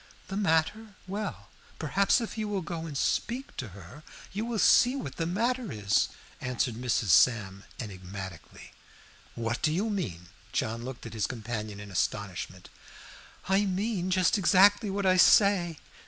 "The matter? Well, perhaps if you will go and speak to her, you will see what the matter is," answered Mrs. Sam, enigmatically. "What do you mean?" John looked at his companion in astonishment. "I mean just exactly what I say.